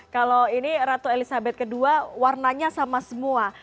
kalau ini ratu elizabeth ii warnanya sama semua